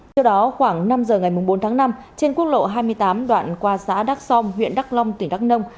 trước đó khoảng năm giờ ngày bốn tháng năm trên quốc lộ hai mươi tám đoạn qua xã đắc song huyện đắc long tỉnh đắc nông